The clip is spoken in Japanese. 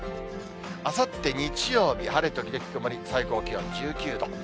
あさって日曜日、晴れ時々曇り、最高気温１９度。